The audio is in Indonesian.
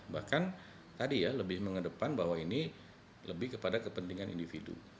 bahkan tadi ya lebih mengedepan bahwa ini lebih kepada kepentingan individu